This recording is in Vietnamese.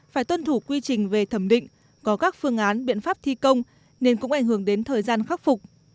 phải tuân thủ quy trình về thẩm định có các phương án biện pháp thi công nên cũng ảnh hưởng đến thời gian khắc phục